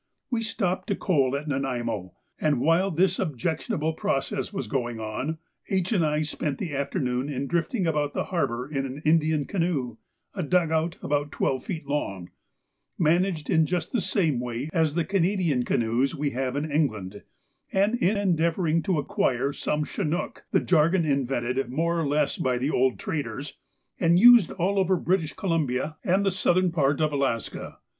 We stopped to coal at Nanaimo, and while this objectionable process was going on, H. and I spent the afternoon in drifting about the harbour in an Indian canoe, a dug out about twelve feet long, managed in just the same way as the Canadian canoes we have in England, and in endeavouring to acquire some Chinook, the jargon invented more or less by the old traders, and used all over British Columbia and the southern part of Alaska.